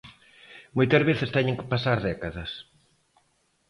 Moitas veces teñen que pasar décadas.